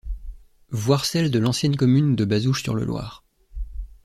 Voir celle de l'ancienne commune de Bazouges-sur-le-Loir.